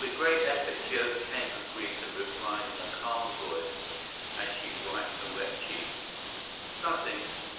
By a violent effort she conquered her grief and replied in a calm voice, while she wiped her wet cheeks: "Nothing.